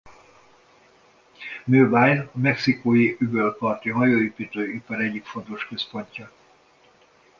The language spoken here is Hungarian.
Mobile a Mexikói-öböl parti hajóépítő ipar egyik fontos központja.